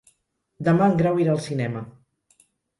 Demà en Grau irà al cinema.